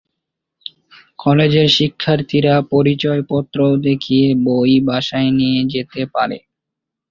কলেজের শিক্ষার্থীরা পরিচয়পত্র দেখিয়ে বই বাসায় নিয়ে যেতে পারে।